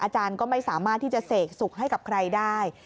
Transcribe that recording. อาจารย์ก็ไม่สามารถที่จะเสกสุขให้กับใครได้